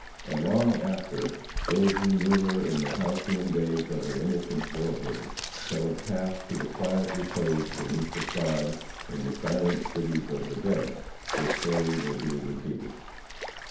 And long after those who knew her in the halcyon days of her innocent girlhood shall have passed to the quiet repose beneath the sod in "the silent cities of the dead," her story will be repeated.